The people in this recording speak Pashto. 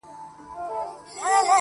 خو چي زه مي د مرګي غېږي ته تللم.!